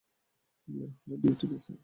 বিয়ের হলে ডিউটিতে, স্যার।